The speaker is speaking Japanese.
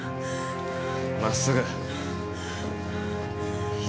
まっすぐ左。